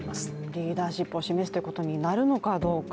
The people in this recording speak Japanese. リーダーシップを示すということになるのかどうか。